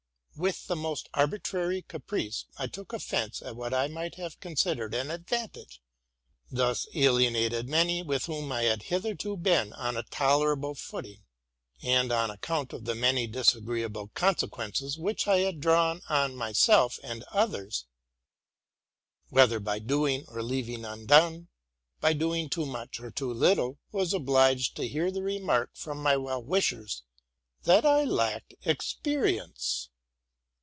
With the most arbitrary caprice, I took offence at what I might have considered an advantage; thus alienated many with whom I had hitherto been on a tolerable footing ; and on account of the many disagreeable consequences which I had drawn on myself and others, whether by doing or leaving undone, by doing too much or too little, was obliged to hear the remark from my well wishers, that I lacked experience.